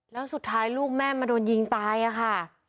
แล้วสุดท้ายลูกแม่มาโดนยิงตายอะค่ะ